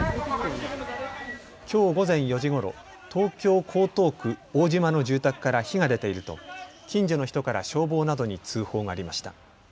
きょう午前４時ごろ、東京江東区大島の住宅から火が出ていると近所の人から消防などに通報がありました。